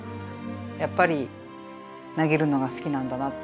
やっぱり投げるのが好きなんだなって。